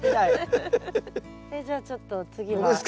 えっじゃあちょっと次は。